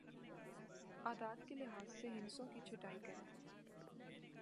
اعداد کے لحاظ سے ہندسوں کی چھٹائی کریں